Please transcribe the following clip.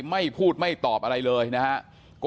ไม่พูดไม่ตอบอะไรเลยนะครับ